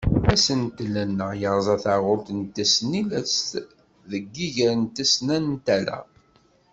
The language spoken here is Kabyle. Asentel-nneɣ yerza taɣult n tesnilest deg yiger n tesnantala.